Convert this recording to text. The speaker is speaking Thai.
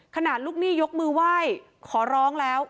ลูกหนี้ยกมือไหว้ขอร้องแล้ว